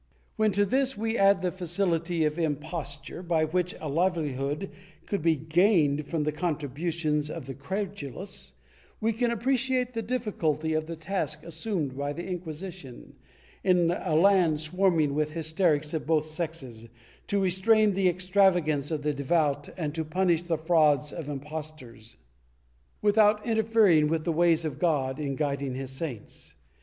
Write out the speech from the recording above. When to this we add the facility of imposture, by which a livelihood could be gained from the contributions of the credulous, we can appreciate the difficulty of the task assumed by the Inquisition, in a land swarming with hysterics of both sexes, to restrain the extravagance of the devout and to punish the frauds of impostors, without interfering with the ways of God in guiding his saints.